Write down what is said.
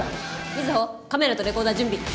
瑞穂カメラとレコーダー準備。